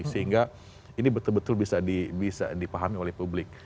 sehingga ini betul betul bisa dipahami oleh publik